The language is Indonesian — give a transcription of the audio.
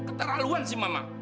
keterlaluan sih mama